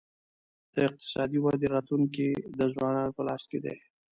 د اقتصادي ودې راتلونکی د ځوانانو په لاس کي دی.